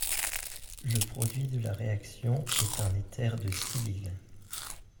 Le produit de la réaction est un éther de silyle.